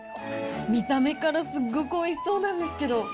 見た目から、すっごくおいしそうなんですけど。